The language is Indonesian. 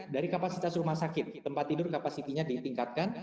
dari kapasitas rumah sakit tempat tidur kapasitinya ditingkatkan